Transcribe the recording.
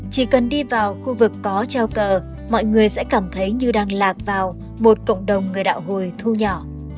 chỉ cần đi vào khu vực có trao cờ mọi người sẽ cảm thấy như đang lạc vào một cộng đồng người đạo hồi thu nhỏ